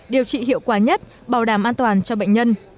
điều trị hiệu quả nhất bảo đảm an toàn cho bệnh nhân